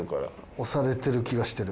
押されてる気がしてる。